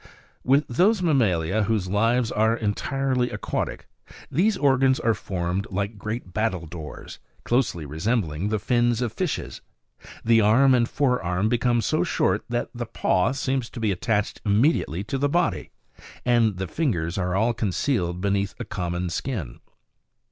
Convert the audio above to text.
With those mammalia whose lives are entirely aquatic, these organs are formed like great battledoors, closely resembling the fins of fishes ; the arm and fore arm become so short that the paw seems to be attached immediately to the body ; and the fingers are all concealed beneath a common skin.